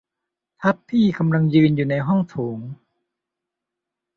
ทัพพี่กำลังยืนอยู่ในห้องโถง